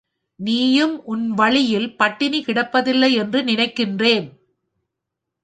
நீயும் உன் வழியில் பட்டினி கிடப்பதில்லை என்று நினைக்கிறேன்.